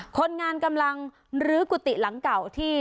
คนงานกำลังลื้อกุฏิหลังเก่าที่